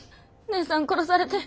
姐さん殺されて。